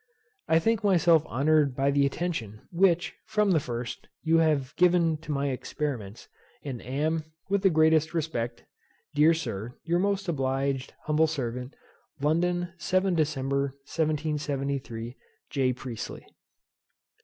I think myself honoured by the attention, which, from the first, you have given to my experiments, and am, with the greatest respect, Dear Sir, Your most obliged Humble Servant, London, 7 Dec. 1773. J. PRIESTLEY.